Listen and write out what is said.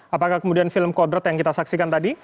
apakah kemudian film kodrat yang kita saksikan tadi